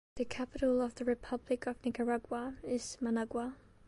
The capital of the Republic of Nicaragua is Managua.